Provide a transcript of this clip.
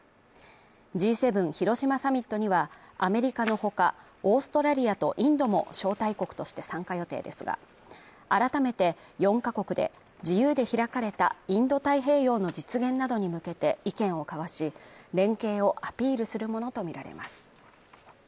Ｇ７広島サミットにはアメリカの他、オーストラリアとインドも招待国として参加予定ですが、改めて４カ国で自由で開かれたインド太平洋の実現などに向けて意見を交わし、連携をアピールするものとみられます。